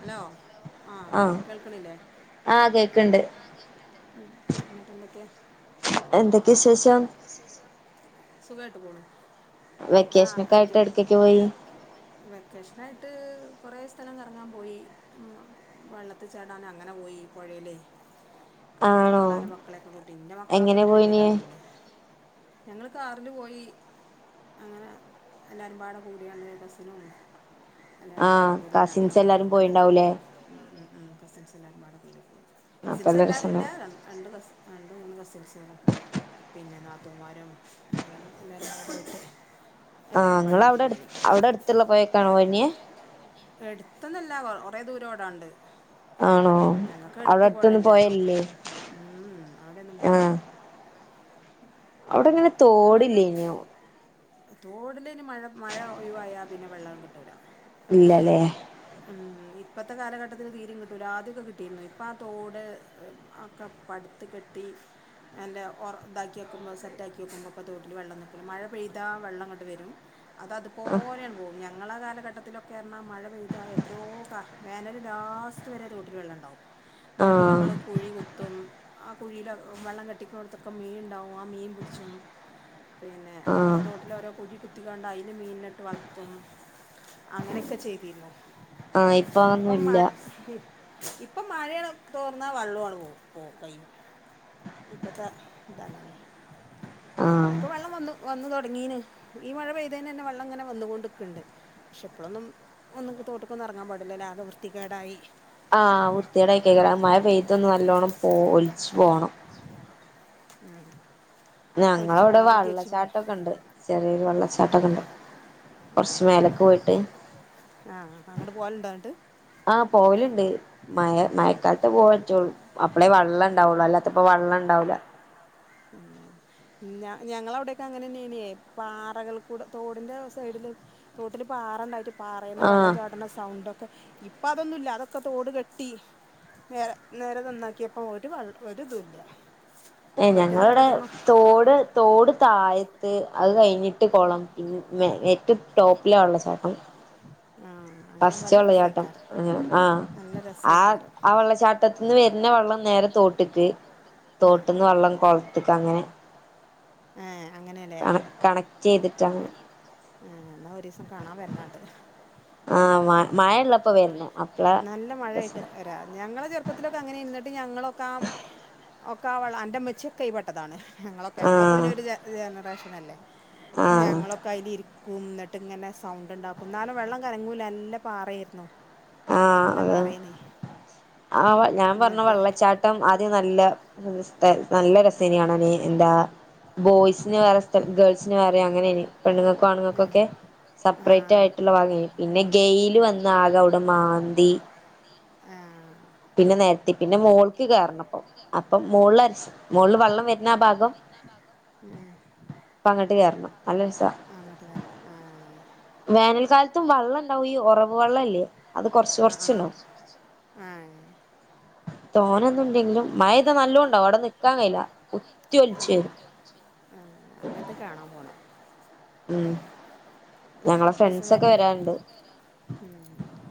Hello. ആഹ് പറി. കേൾക്ക്ണില്ലേ. ആഹ് കേക്ക്ണ്ട്. ഉം ന്നട്ടെന്തെക്കേ. വിസേസം. സുഖായിട്ട് പോണ്. വെക്കേഷനൊക്കായിട്ട് എവിട്ക്കെക്കേ പോയി. പോയി. വെക്കേഷനായിട്ട് കൊറേ സ്ഥലം കർ ങ്ങാൻ പോയി. ഉം വെള്ളത്തിൽ ചാടാൻ അങ്ങനെ പോയി. പൊയെ ലെ ആങ്ങളാരെ മക്കളൊക്കെകൂട്ടി. എന്റെ മക്കളൊക്കെ പിന്നെ വല്ല്യതായിട്ടില്ലേ. ഞങ്ങള് കാറില് പോയി. അങ്ങനെ എല്ലാരും പാടെ കൂടിയാണ്ട്. കസിനും എല്ലാരുംപാട കൂടി. സിൻസെല്ലാരും പോയിണ്ടാവു ലേ. ഉം ഉം കസിൻസ് എല്ലാരും പാടെ കൂടി പോയി. കസിൻസ് എല്ലാരും ല്ല രണ്ട് കസിൻ രണ്ട് മൂന്ന് കസിൻസാളും. പിന്നെ നാത്തൂമാരും അങ്ങനെ എല്ലാരുംപാട്യേറ്റ് ആഹ് ങ്ങളവിടെ അവിടെ അടുത്തുള്ള പൊയേക്കാണോപോയീന്യേ. റ്റക്കാണോ പോയ്‌നിയേ. എട്ത്തൊന്നും ല്ല. കൊറേ ദൂരം ഓടാണ്ട്. ഞങ്ങക്ക് എടുത്ത് പൊഴല്ലല്ലോ. ഉം ഉം അവിടൊന്നും പൊഴല്ല. അവിടെങ്ങനെ അങ്ങനല്ല. തോടില് തോടിലിന് മഴ മഴ ഒഴിവായ പിന്നെ വെള്ളം കിട്ടൂല. ഇല്ല ലേ. ഉം ഇപ്പത്തെ കാലഘട്ടത്തിൽ തീരിം കിട്ടൂല. ആദ്യൊക്കെ കിട്ടിയിരുന്നു. ഇപ്പ ആ തോട് ആഹ് ക്ക പട്ത്ത് കെട്ടി. നല്ല ഒർ ഇ താക്കി വക്കുമ്പോ സെറ്റാക്കി. നോക്കിയോക്കുമ്പപ്പോ തോട്ടില് വെള്ളം നിക്കൂല. മഴ പെയ്താ വള്ളംങ്ങട്ട് വരും. അത് അത് പോലെയാണ്ട് പോകും. ഞങ്ങളെ കാലഘട്ടത്തിലൊക്കെ ർഞ്ഞാ മഴ പെയ്താ എത്രയോ കാ വേനല് ലാസ്റ്റ്. സ്റ്റ് വരെ തോട്ടില് വെള്ളം ണ്ടാവും. എന്നിട്ട് ഞങ്ങൾ കുഴി കുത്തും ആ കുയ്യിലെ വെള്ളം കെട്ടിക്കുന്നൊടത്തൊക്കെ മീൻണ്ടാവും. ആഹ് മീൻ പിടി ച്ചും. പിന്നെ തോട്ടില ഓരോ കുഴി കുത്തിക്കാണ്ട് അയില് മീന്നെട്ട് വളത്തും. അങ്ങനെക്കെ ചെയ്തിരുന്നു. ഇപ്പം മാ ഇപ്പം മഴ തോർന്നാ വെള്ളും ആണ് പോ പോകും. അയിന്ന്. ഇപ്പത്തെ ത് അങ്ങനെ. ഇപ്പൊ വെള്ളം വന്ന് വന്നു തുടങ്ങിന്. ഈ മഴ പെയ്തതിന് ന്നെ വെള്ളം ഇങ്ങനെ വന്നു കൊണ്ട്ക്കണ്ട്. പക്ഷെ ഇപ്പോളൊന്നും ഒന്നും തോട്ട്ക്കൊന്നും എറങ്ങാൻ പാടില്ലല്ലേ. ആകെ വൃത്തിക്കേടായി. ആഹ് വൃത്തിയേടായിക്കെകലെ. മഴ പെയ്തന്ന് നല്ലോണം പോ ഒലിച്ച് പോണം. ഒലിച്ചു പോണം. ഉം ഞങ്ങളവിടെ വെള്ളച്ചാട്ടൊക്കെ ണ്ട്. ചെറിയൊരു വെള്ളച്ചാട്ടൊക്കെ ണ്ട്. കുറച്ച് മേലൊക്ക്‌ പോയിട്ട്. ആഹ് അങ്ങട്ട് പോവലുണ്ടാ ങ്ങട്ട്. ആഹ് പോവല്ണ്ട്. മഴ മഴക്കാലത്ത് പോകാൻ പറ്റുള്ളൂ അപ്പളേ വെള്ളം ഇണ്ടാവുള്ളു അല്ലാത്തപ്പം വെള്ളം ഇണ്ടാവൂല [unintelligible] ഇല്ല ഞങ്ങളെ അവ്ടെക്കെ അങ്ങനെന്നെ പാറകൾ കൂടെ തോടിന്റെ സൈഡില് തോട്ടില് പാറണ്ടായിട്ട് പാറേന്ന് വെള്ളം ചാട്ണ സൗണ്ട്ക്കെ ഇപ്പ അതൊന്നുല്ല അതൊക്കെ തോട് കെട്ടി നേരെ നേരെ നന്നാക്കിപ്പോ ഒരു വ ഒരു ഇതുല്ല ഏഹ് ഞങ്ങള വടെ തോട് തോട് താഴത്ത് അത് കഴിഞ്ഞി ട്ട് കുളം പി ഏറ്റവും ടോപ്പിലാ വെള്ളച്ചാട്ടം ആഹ് ഫസ്റ്റ് വെള്ളച്ചാട്ടം ആഹ് ആഹ് ആ വെള്ളച്ചാട്ടത്തിന്ന് വരുന്ന വെള്ളം നേരെ തോട്ടി ട്ട് തോട്ട്ന്ന് വെള്ളം കൊളത്ത്ക്ക് അങ്ങനെ ഏഹ് അങ്ങനെല്ലേ ചെയ്തിട്ടാ ഏഹ് എന്നാ ഒരു ദിവസം കാണാൻ വരണണ്ട് നല്ല മഴയിട്ട് വെ ഞങ്ങളെ ചെറുപ്പത്തിലൊക്കെ അങ്ങനെന്നു ഇന്നട്ട് ഞങ്ങളൊക്കെ ആഹ് ഒക്കെ അൻ്റെ ഇമ്മച്ചിയൊക്കെ അയ്ല് പെട്ടതാണ് ഞങ്ങളൊക്കെ ഞങ്ങളൊക്കെ പിന്നെ ഒരു ജനറേഷനല്ലേ ഞങ്ങളൊക്കെ അയ്ല് ഇരിക്കും ഇന്നട്ട് ഇങ്ങനെ സൗണ്ട് ഇണ്ടാക്കും ഇന്നാലും വെള്ളം കലങ്ങൂല പാറയ്രുന്നു നല്ല പാറേനി ആഹ് ഞാൻ പറഞ്ഞ വെള്ളച്ചാട്ടം ആദ്യം നല്ല നല്ല രസെനി കാണാന് എന്താ ബോയ്സിന് വേറെ സ്ഥലം ഗേൾസിന് വേറെ ആഹ് ആഹ് പിന്നെ ഗെയില് വന്ന് ആകെ അവ്ടെ മാന്തി ആഹ് പിന്നെ നേര്ത്തി പിന്നെ മോൾക്ക് കേറണം അപ്പൊ മോള് മോള്ള് വെള്ളം വരുന്ന ആ ഭാഗം ഉം ഉം ഇപ്പം അങ്ങട്ട് കേറണം നല്ല രസാ അങ്ങട്ട്ലെ ആഹ് വേനൽക്കാല വേനൽക്കാലത്തും വെള്ളണ്ടാവും ഒറവ് വെള്ളല്ലേ ആഹ് ആഹ് കോർച്ച് കോർച്ച്ണ്ടാവും ഏഹ് തോനെന്നും തോനെന്നും ഇല്ലേങ്കിലും മഴ പെയ്താ നല്ലോം ഇണ്ടാവും അവിടെ നിക്കാൻ കയ്യില്ല കുത്തി ഒൽച്ച് വെരും ആഹ് അങ്ങൻത്തെ കാണാം പോണം ഉം ഞങ്ങളെ ഫ്രണ്ട്സ് ഒക്കെ വരാറുണ്ട് ഉം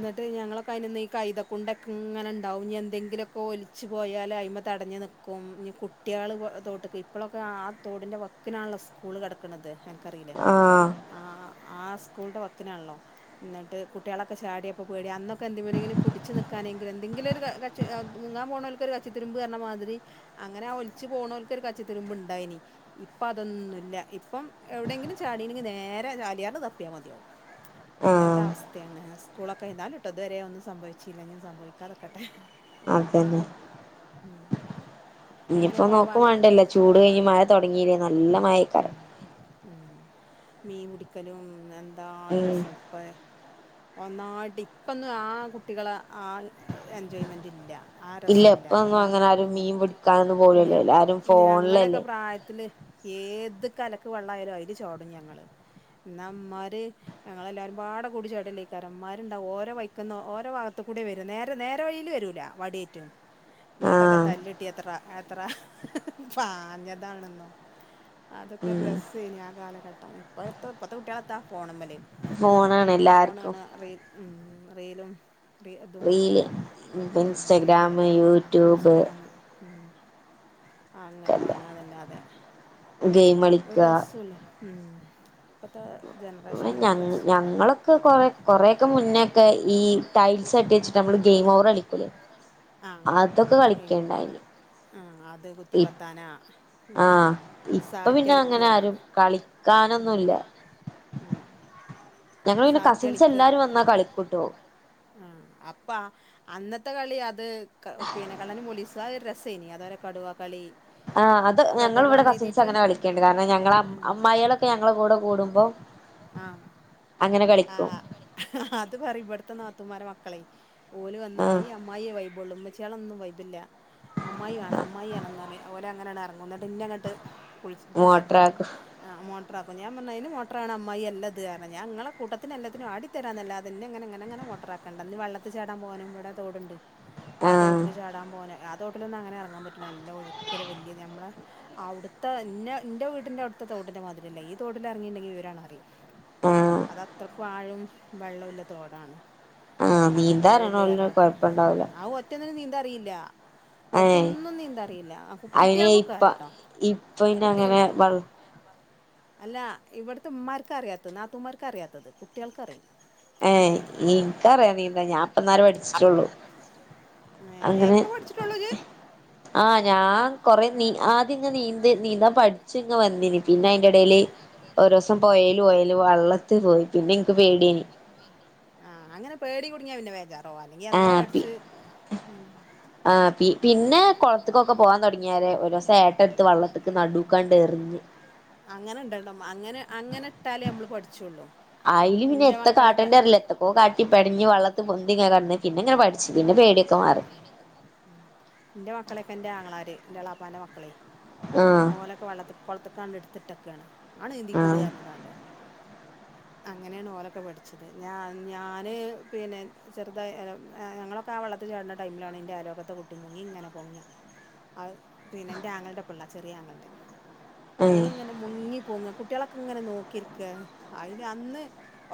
ന്നട്ട് ഞങ്ങളൊക്കായിനന്ന് ഈ കൈതകുണ്ടക്കെ ഇങ്ങനെണ്ടാവും ഇഞ് എന്തെങ്കിലൊക്കെ ഒൽ ച്ച് പോയാല് അയിമ തടഞ്ഞ് നികും ഇഞ് കുട്ട്യാള് തോട്ട് ഇപ്പളൊക്കെ ആഹ് തോടിൻ്റെ വ ത്തിനാണല്ലോ സ്കൂള് ക്ണത് അനകറീലെ ആഹ് ആഹ് സ്കൂൾന്റെ വക്കിനാണല്ലോ ഇന്നട്ട് കുട്ട്യാളെ ചാടിയപ്പം പേടിയ അന്നൊക്കെ എന്തിമേലെങ്കിലും പുടിച്ച് നിക്കാനെങ്കിലും എന്തെങ്കിലും ഒരു കച്ചി മുങ്ങാ പോണോൽ കൊരു ക ച്ചിത്തിരുമ്പ് അർണ മാതിരി അങ്ങനെ ആഹ് ഒൽച്ച് പോണോൽകൊരു കച്ചിത്തിരുമ്പ് ഇണ്ടായിനി ഇപ്പ അതൊന്നുല്ല ഇപ്പം എവിടെങ്കിലും ചാടിണെങ്കി നേരെ ചാലിയാറിൽ തപ്പിയാ മതിയാവും അങ്ങൻത്തെ അവസ്തെണ് സ് സ്കൂളൊക്കെ എന്നാലുട്ടൊ ഇത് വരെ ഒന്നും സംഭവിചീല്ല ഇഞ്ഞും സംഭവിക്കാതെക്കെട്ടെ അതന്നെ.. ഉംഹ് അങ്ങനെക്കാവുമ്പോ. അങ്ങൻത്തെ. നോക്കു വണ്ടല്ലോ. ചൂട് കഴിഞ്ഞ്. മഴ തൊടങ്ങിന്ന്. മ്മ്ഹ്.. മീൻപുടിക്കലും. എന്താണ് രസം ഇപ്പെ.. ഒന്നായിട്ട് ഇപ്പന്നും. ആഹ് കുട്ടികള് ആഹ് എൻജോയ്മെൻറ് ഇല്ല.. ആഹ് രസല്ല ഞങ്ങള്. മ്മ്ഹ്. ഞ ഞങ്ങളെയൊക്കെ പ്രായത്തില്.. ഏത് കലക്ക വള്ളയാലും അയില് ചാടും ഞങ്ങള്.. ന്നാമ്മമ്മാര്. ഞങ്ങളെല്ലാരുപാടെ. കൂടിച്ചാടല് കാരമ്മാര്ണ്ടാവും. ഓരോ വൈക്കുന്ന് ഓരോ വാത്തുകൂടിവെരും നേരെ നേരെ വഴിയില് വെരൂല വടിയായിറ്റ് ന്നട്ടൊക്കെ തല്ലിട്ടി എത്ര എത്ര പാഞ്ഞതാണെന്നോ. അതൊക്കെ ഒരു രെസേയിനി ആഹ് കാലഘട്ടം. ഇപ്പോഴത്തെ ഇപ്പത്തെ കുട്ട്യോളെത്താ. ഫോണുമ്മേല്.. ഫോണാണ് എല്ലാർക്കും.. റീൽ ഉം റീലും. Re അതുംഉം Instagram. മ്മ്ഹ്. ആഹ് അങ്ങനെ കാണാന്നല്ലാതെ.. ഗെയിംമ് കളിക്കാ മ്മ്ഹ്. ല്ല. ഇപ്പത്തെ ജനറേഷനൊന്നും ഒരുരസോല്ല. ഇപ്പൊ കൊറേ.. ഇപ്പൊ കൊറേ കൊറേയൊക്കെ മുന്നേക്കെ. ഈ ടൈൽസൊക്കെ വെച്ചിട്ട്. നമ്മള് ഗെയിം ഓവറ് കളിക്കും ആഹ് ഗെയിം. ആഹ് അത് കുത്തിപ്പത്താന. മ്മ്ഹ് സാറ്റളിക്കുക ആഹ് കളിക്കാനൊന്നും ഇല്ല. മ്മ്ഹ്. ഞങ്ങള് പിന്നെ കസിൻസ് എല്ലാരും വന്നാ കളിക്കൂട്ടോ. ആഹ് അപ്പൊ അന്നത്തെ കളി അത് ക പിന്നെ കള്ളനും പോലീസ് അതാ ഒരു രസേയിനി. അതോരെ കടുവ കളി. കടുവാന്ന് എഴുതിയിട്ട്. ഞ അമ്മായിളൊക്കെ. ഞങ്ങളെ കൂടെ കുടും. പ്പൊ. ആഹ്.. ആഹ് അത് പറയും ഇവിട്ത്തെ നാത്തൂമാരെ മക്കളെ ഓല് വന്നാല് ഈ അ മ്മായിയെ വൈബോള്ളൂ. ഉമ്മച്ചിളൊന്നും വൈബില്ല. അമ്മായിവേണം അമ്മായിണം എന്നർഞ്ഞി ഓല് അങ്ങനാണ് എന്നട്ട് എന്നെങ്ങട്ട് വുൾച്ച് ഇതാക്കും. ആഹ് മോട്ടറാക്കും. ഞാൻ പറഞ്ഞി അയിന് മോട്ടർ ആവണ അമ്മായില്ലാത് ഞാൻ ഇങ്ങള് കൂട്ടത്തി എല്ലാത്തിനും ആടിതരന്നല്ലാതെ. എന്നെങ്ങനെങ്ങനെങ്ങനെ മോട്ടറാക്കണ്ട. ഇഞ്ഞി വെള്ളത്തി ചാടാൻ പോവാനും. ഇവടെ തോടുണ്ട് ആഹ് തോട്ടില് ചാടാൻ പോവാന് ആഹ് തോട്ടിലൊന്നുങ്ങനെ. എറങ്ങാൻ പറ്റില്ല. അല്ല ഒഴുക്കല് വല്ല്യ നമ്മെളെ. അവിടുത്തെ ഇന്നെ. ൻ്റെ വീട്ടന്റെ അവ്ടുത്തെ തോട്ടിൻ്റെ മാതിരിയല്ല. ഈ തോട്ടിൽ എറങ്ങിയിണ്ടെങ്കി. വിവരാങ്ങാണ്ടറിയും.. അത് അത്രക്കും ആഴവും വെള്ളോല്ല. തോടാണ്. അപ്പൊ പോവല്ലേ പറഞ്ഞാട്ട് മ്മ്ഹ്. ആഹ് ഒറ്റയൊന്നിനും നീന്താറീല. ഇവർക്കൊന്നും നീന്താറിയില്ല. കുട്ട്യോക്ക് ഒക്കെയറിയാട്ടോ. കുട്ടികൾ. അല്ല ഇവടുത്തെ ഉമ്മാർക്ക് അറിയാത്തത്. നാത്തൂമാർക്കറിയാത്തത്. കുട്ട്യോൾക്ക്റിം. ഏഹ് ഇന്ക്കറിയാനീന്താന്. ഞാപ്പന്നേരം പഠിച്ചിട്ടൊള്ളൂ.. മേ ഏഹ് ഇപ്പൊപഠിച്ചിട്ടൊള്ളു ഇജ്ജ് ആഹ് ഞാ. കൊറെ നീ ആദ്യം ഇങ് നീന്ത് നീന്താ പട്ച് ഇങ്ങ. വന്നിന്. പിന്നെ അയിന്റെടെല്.. ഒരൂസം പൊയേല് പൊയേല് വെള്ളത്ത് പോയി പിന്നെൻക്ക് പേടിയനി. ൻക്ക് പേടിയേനി. ആഹ് അങ്ങനെ പേടി കുടുങ്ങിയാ പിന്നെ ബേജാറാവും. അല്ലെങ്കി എന്നോ പഠിച്ച് ആഹ് ഉം ആഹ് പി പിന്നെ കൊളത്ത്ക്കൊക്കെ പോകാൻ തൊടങ്ങിയാല് ഒരൂസം ഏട്ടട്ത്ത് വെള്ളത്തിക്ക് നടൂക്കാണ്ട് എറിഞ്ഞ്. അങ്ങനെ ഇണ്ടണം. അങ്ങനെ അങ്ങനെ ഇട്ടാലേ അമ്മള് പഠിച്ചൊള്ളു. ആയില് പിന്നെ എത്താ കാട്ടണ്ടറീല്ല. എത്തക്കോ കാട്ടി പെടഞ്ഞ് വള്ളത്ത് പൊന്തി ഇങ്ങനെ കടന്നു. പിന്നെ ഇങ്ങനെ പെട ഇച്ച്. പിന്നെ പേടിയൊക്കെ മാറി. ക്കെ മാറി. ഉം ഇന്റെ മക്കളൊക്കെ ഇന്റെ ആങ്ങളാര് ഇന്റെള്ളാപ്പാന്റെ മക്കളെയ് ഓലെ വള്ളത്തിക്ക് കൊളത്തക്കങ്ങ്ണ്ട് ഇട്ത്ത്ട്ടക്കാണ്. ആണ്ട് നീന്തി കൂട് അറ്ഞ്ഞ്ങ്ങാണ്ട്. ആഹ് അങ്ങനേണ് ഓലൊക്കെ പഠിച്ചത്. ഞാ ഞാന് പിനെ ചെറുതായി. അല്ല ഏഹ് ഞങ്ങളൊക്കെ ആ വള്ളത്ത് ചാട്ണ ആ ടൈമിലാണ് ഇൻ്റെ അയ്ലോക്കത്തെ കു ട്ടിമുങ്ങിങ്ങനെ പൊങ്ങ. അത് പിന്നെ ഇന്റെ ആങ്ങൾന്റെപ്പള്ള ചെറീയെ ആങ്ങൾന്റെ. ഓള് ഇങ്ങനെ മുങ്ങി പൊങ്ങ. കുട്ട്യേളൊക്കെ ഇങ്ങനെ നോക്കി ഇരിക്ക. അയില് അന്ന്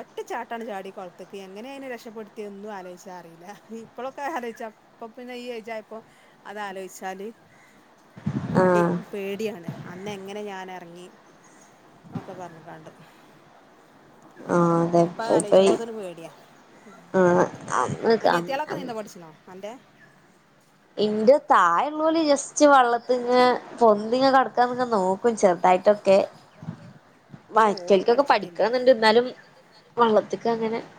ഒറ്റ ചാട്ടാണ്ട് ചാടി കൊൾത്ത്ക്ക്. എങ്ങനെ അയിനെ രക്ഷപ്പെടുത്തിയന്നും ആലോയ്ച്ചാ അറീല്ല. ഇപ്പളൊക്കെ ആലോയ്ച്ചാ ഇപ്പൊ പിന്നെ ഈ ഏയ്ജായപ്പോ അതാലോയ്ച്ചാല് മടി. പേടിയാണ്. അന്ന് എങ്ങനെ ഞാന് എറങ്ങി ഒക്കെ പറഞ്ഞ്ങ്ങാണ്ട്. ഇപ്പതാലോയ്ച്ചുമ്പോത്തിന് പേട്യ. ഉം. അനിയത്ത്യേളൊക്കെ നീന്താ പഠിച്ച്ക്കുണോ അന്റെ? ഇന്റെ തായെള്ളോള് ജസ്റ്റ് വള്ളത്തിങ്ങെ പൊന്തിങ്ങനെ കടക്കാനൊക്കെ നോ നൊക്കെ നോക്കും ചെർതായിട്ടൊക്കെ. ഏഹ് ഓളും പഠിച്ചിട്ടില്ലെ? മക്കൾക്ക് പഠിക്കണംന്ന്ണ്ട് ഇന്നാലും.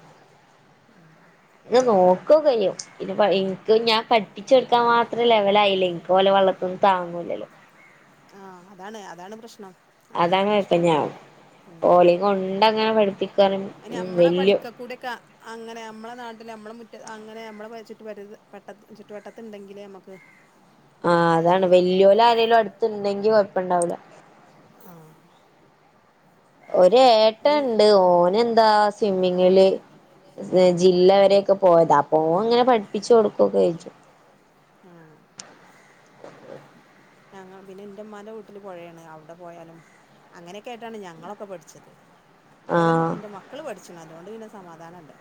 ഉം ഇത് നോക്കൊക്കെയ്യും. പിന്നെപ്പോ ഇൻക്ക് ഞാൻ പ ച്ചെടുക്കാ മാത്രം ലെവലായില്ല. ഇൻക്ക് ഒലെ വള്ളത്ത്ന്ന് താങ്ങൂല്ലല്ലോ? ആഹ് അതാണ് അതാണ് പ്രശ്നം. അങ്ങനെ ഒരു പ്രശ്നണ്ട്. അതാണ് ഇപ്പൊ ഞാൻ ഉം ഓലീങ്ങോണ്ടങ്ങനെ അയിഞമ്മളെ പഠിക്ക കൂടിയൊക്കെ അങ്ങനെ ഞമ്മളെ നാട്ടില് അമ്മളെ മുറ്റ അങ്ങനെ ഞമ്മളെ പരി ചുറ്റുപരിത് പട്ടത്ത് ചുറ്റവട്ട ത്ത്ണ്ടെങ്കിലെ ഞമ്മക്ക് ആഹ് അതാണ്. വല്യാേലാരേലും അടുത്തുണ്ടെങ്കി കൊഴപ്പം ഇണ്ടാവൂല്ല. ആഹ്. ഒര് ഏട്ടണ്ട്. ഓനെന്താ സ്വിമ്മിങ്ങില് ഏഹ് ജില്ല വരേ ഒക്കെ പോയതാ. അപ്പോ ഇങ്ങനെ പഠിപ്പിച്ചൊടുക്കൊക്കെ ചെജും. ആഹ്. ഞങ്ങൾ പിന്നെ ഇന്റെമ്മാന്റെ വീട്ടില് പൊഴേണ് അവടെ പോയാലും. അങ്ങനെക്കായിട്ടാണ് ഞങ്ങളൊക്കെ പഠിച്ചത്. ഏതായാലും ഇന്റെ മക്കള് പഠിച്ചിണ്. അതോണ്ട് പിന്നെ സമാധാനണ്ട്.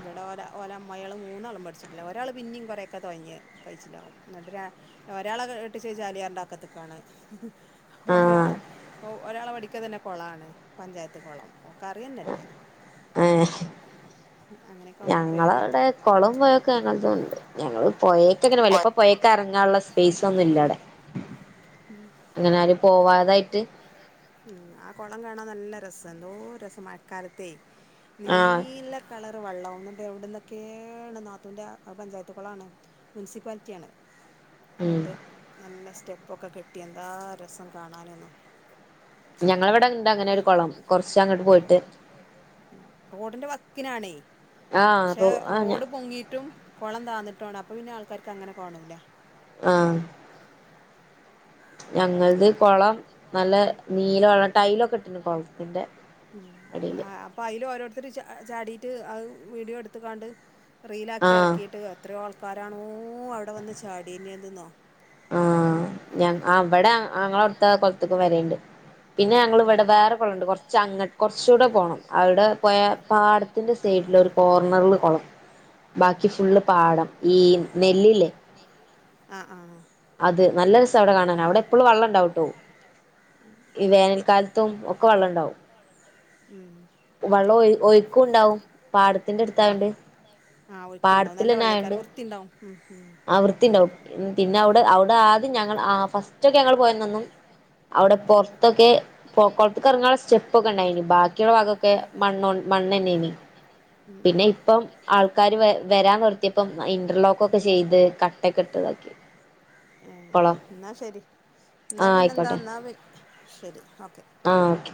ഇവിടെ ഓലെ ഓലെ അമ്മായേള് മൂന്നാളും പഠിച്ചിട്ടില്ല. ഒരാള് പിന്നിം കൊറേക്കെ തൊയഞ്ഞ് കയ്ച്ച് ലാവും. ഇന്നട്ട് രാ ഒരാളെ കെട്ടിച്ചേച്ച് ചാലിയാറിന്റെ വക്കത്ത്ക്കാണ്. ഒരാളെ പ്പോ ഒരാളെ പടിക്കെ തന്നെ കൊളാണ്. പഞ്ചായത്ത് കൊളം. ഓക്കറ്യെന്നെ ഇല്ല. ഏഹ്. ഉം അങ്ങനെക്കാവുമ്പ ഞങ്ങളെവ്ടെ കൊളോം പൊയോക്കെ ഞങ്ങളതുണ്ട്. ഞങ്ങള് പൊയേക്ക്‌ങ്ങനെ വല്ലപ്പൊ പ്പോപൊയേക്കെറങ്ങാള്ള സ്പേയ്സ് ങ്ങാള്ളെ സ്‌പേയ്സൊന്നുല്ല അവ്ടെ. ഉം [unintelligible] [unintelligible] ഉം ആ കൊളം കാണാൻ നല്ല രസ. എന്തോ രസം മഴക്കാലത്തേ നീല കളറ് വള്ളാവും. ഇന്നിട്ടെ എവ്ട്ന്നൊക്കേണ് നാത്തൂൻ്റെ ആ പഞ്ചായത്ത്കൊളാണ്. മുൻസിപ്പാലിറ്റ്യാണ്. ഇന്നിട്ട് നല്ല സ്റ്റെപ്പൊക്കെ കെട്ടി എന്താ രസം കാണാന്നോ. ഞങ്ങളെ ഇവടെണ്ട് അങ്ങനൊരു കൊളം. കൊർച്ച് അങ്ങ്ട് പോയിട്ട്. പോയിട്ട്. ഉം റോഡിന്റെ വക്കിനാണേ. പക്ഷെ റോഡ് പൊങ്ങീട്ടും കൊളം താന്നിട്ടോണ്. അപ്പോ പിന്നെ ആൾക്കാര്ക്കങ്ങനെ കാണൂല്ല. ആഹ് ആഹ് ഞങ്ങൾത് കൊളം നല്ല നീല ടൈലൊക്കെ ഇട്ട്ണ് കൊൾത്തിന്റെ ഉം ആ അപ്പൊ അയ്ല് ഓരോര്ത്തര് ച ചാടീട്ട് അത് വീഡിയോ എടുത്ത്ക്കാണ്ട് റീലാക്കി എറക്കീട്ട് എത്രയോ ആൾക്കാരാണോ അവിടെ വന്ന് ചാടീ ന്യേത് ന്നോ. ആഹ് ഞ അവിടെ അങ്ങള ഔട്ത്ത കൊൾത്തുക്കും വരെണ്ട് പിന്നെ ഞങ്ങൾ ഇവടെ വേറെ കൊള്ളണ്ട് കൊറച്ച് അങ്ങട്ട് കൊറ്ച്ചുടെ പോണം. അവിടെ പോയ പാട ത്തിന്റെ സൈഡില് ഒരു കോർണറ്ല് കൊളം. ബാക്കി ഫുള്ള് പാടം ഈ നെല്ല്ല്ലേ നെല്ലില്ലെ ആഹ് ആഹ് അത് നല്ല രസം ഔടെ കാണാൻ ഔടെ എപ്പളും വള്ളം ഇണ്ടാവുട്ടോ ഈ വേനൽക്കാല ത്തും ഒക്കെ വള്ള ഇണ്ടാവും ഉം വള്ളം ഒഴിക്കുണ്ടാവും ആഹ് [unintelligible] നല്ല വെള്ളേക്കാരം ത്തിണ്ടാവും ഉം ഉം ആ വൃത്തി ഇണ്ടാവും പിന്നെ ഔടെ ഔടെ ആദ്യം ഞങ്ങള് ആ ഫസ്റ്റ് ഒക്കെ ഞങ്ങൾ പോയന്നൊന്നും. ഔടെ പൊറ്ത്തൊക്കെ പൊ കൊളത്ത് ക്ക് എറങ്ങാൻള്ള സ്റ്റെപ്പ് ഒക്കെ ഇണ്ടായിനി. ബാക്കിള്ള ഭാഗൊക്കെ മണ്ണ മണ്ണെന്നേനി പിന്നെ ഇപ്പം ആൾക്കാര് വര വരാൻ തൊടങ്ങി പ്പം ഇന്റർലോക്കൊക്കെ ചെയ്ത് കട്ട്യക്കെ ഇട്ട്താക്കി. ഇന്നാ ശെരി ഇന്നാ പിന്നെന്താ ഇന്നാ വെ ശരി ഓക്കെ ആഹ് ഓക്കെ